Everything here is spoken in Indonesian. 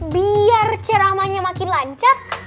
biar ceramahnya makin lancar